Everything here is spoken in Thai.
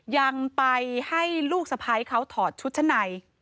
ยังไปให้ลูกสะพ้ายเขาถอดชุดชั้นใน